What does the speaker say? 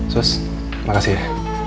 sus makasih ya